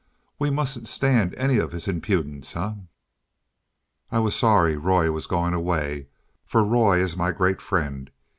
We mustn't stand any of his impudence, eh?" I was sorry Roy was going away, for Roy is my great friend.